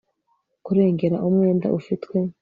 kurengera umwenda ufitwe